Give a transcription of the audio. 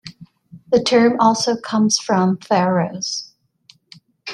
The term also comes from "Pharos".